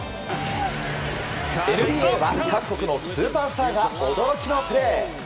ＮＢＡは各国のスーパースターが驚きのプレー。